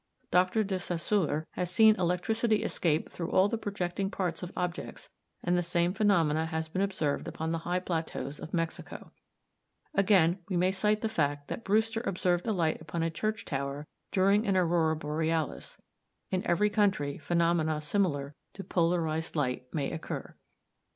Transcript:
Dr. De Saussure has seen electricity escape through all the projecting parts of objects, and the same phenomena have been observed upon the high plateaus of Mexico. Again, we may cite the fact that Brewster observed a light upon a church tower during an aurora borealis. In every country phenomena similar to polarized light may occur.